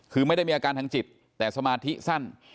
คือไม่ได้มีอาการทางจิตแต่สมาธิสั้น